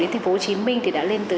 đến tp hcm đã lên từ